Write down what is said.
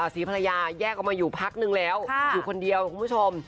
ศรีภรรยาแยกออกมาอยู่พักนึงแล้วอยู่คนเดียวคุณผู้ชม